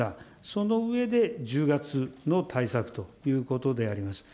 その上で、１０月の対策ということであります。